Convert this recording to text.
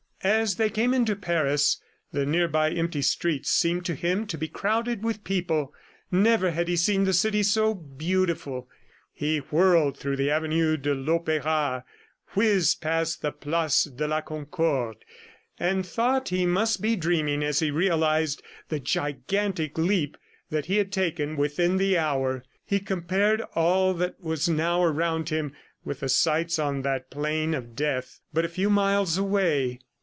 As they came into Paris, the nearly empty streets seemed to him to be crowded with people. Never had he seen the city so beautiful. He whirled through the avenue de l'Opera, whizzed past the place de la Concorde, and thought he must be dreaming as he realized the gigantic leap that he had taken within the hour. He compared all that was now around him with the sights on that plain of death but a few miles away.